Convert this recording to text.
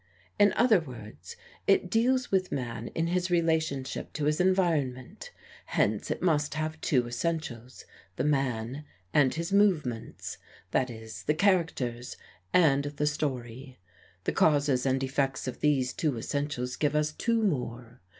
In other words, it deals with man in his relation to his environment. Hence it must have two essentials: the man and his movements; that is, the characters and the story. The causes and effects of these two essentials give us two more.